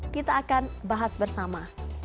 kita akan bahas bersama